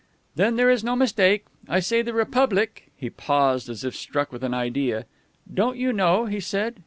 "Then there is no mistake. I say the Republic " He paused, as if struck with an idea. "Don't you know?" he said.